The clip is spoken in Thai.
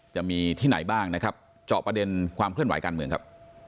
จะมีที่ไหนบ้างนะครับเจาะประเด็นความเคลื่อนไหวการเมืองครับ